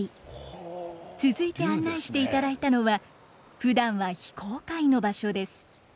続いて案内していただいたのはふだんは非公開の場所です。